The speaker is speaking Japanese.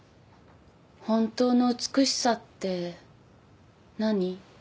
本当の美しさって何？